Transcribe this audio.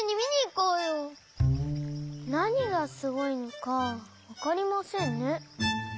なにがすごいのかわかりませんね。